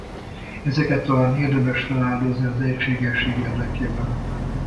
Ezeket talán érdemes feláldozni az egységesség érdekében.